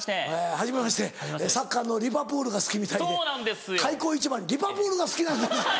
はじめましてサッカーのリバプールが好きみたいで開口一番「リバプールが好きなんです」。